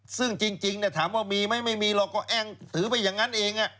ซึ่งจริงถามว่ามีมั้ยไม่มีเราก็แอนทือไปอย่างนั้นเอง